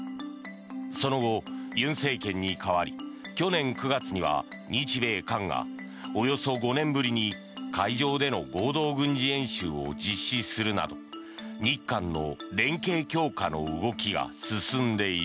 その後、尹政権に代わり去年９月には日米韓がおよそ５年ぶりに海上での合同軍事演習を実施するなど日韓の連携強化の動きが進んでいる。